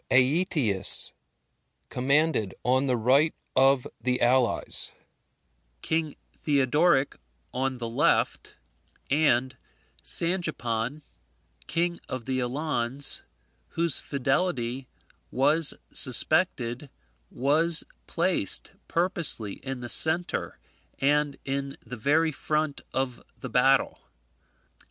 Aetius commanded on the right of the allies; King Theodoric on the left; and Sangipan, king of the Alans, whose fidelity was suspected, was placed purposely in the centre and in the very front of the battle.